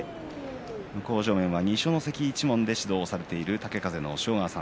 向正面は二所ノ関一門で指導されている豪風の押尾川さん。